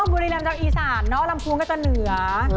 บุรีรำจากอีสานเนาะลำพูงก็จะเหนือ